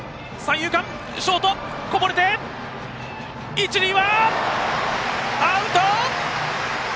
一塁はアウト！